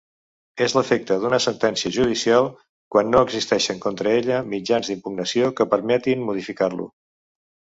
És l'efecte d'una sentència judicial quan no existeixen contra ella mitjans d'impugnació que permetin modificar-lo.